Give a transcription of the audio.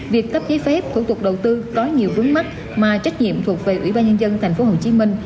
việc tấp giấy phép thủ tục đầu tư có nhiều vướng mắt mà trách nhiệm thuộc về ủy ban nhân dân thành phố hồ chí minh